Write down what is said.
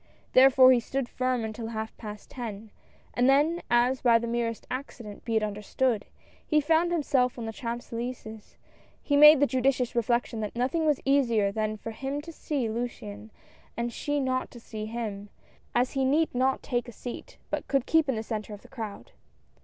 Therefore he stood firm until half past ten, and then, as by the merest accident, be it understood, he found himself on the Champs Elys^es, he made the judicious reflection that nothing was easier than for him to see Luciane and she not to see him, as he need not take a seat, but could keep in the centre of the crowd.